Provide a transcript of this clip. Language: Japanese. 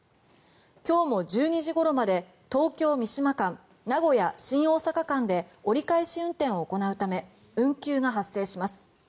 今日も１２時ごろまで東京三島間名古屋新大阪間で折り返し運転を行うため運休が発生します。